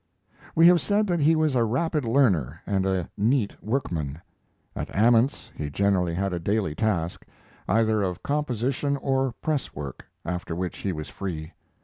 We have said that he was a rapid learner and a neat workman. At Ament's he generally had a daily task, either of composition or press work, after which he was free.